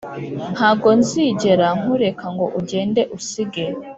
ntagozigera nkureka ngo ugende usige